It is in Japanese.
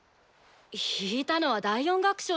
弾いたのは第４楽章じゃない。